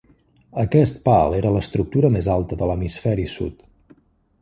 Aquest pal era l'estructura més alta de l'hemisferi sud.